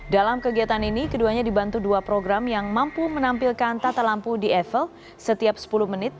dalam kegiatan ini keduanya dibantu dua program yang mampu menampilkan tata lampu di eiffel setiap sepuluh menit